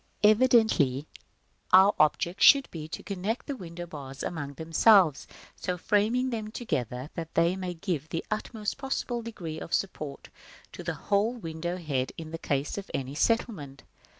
Evidently our object should be to connect the window bars among themselves, so framing them together that they may give the utmost possible degree of support to the whole window head in case of any settlement.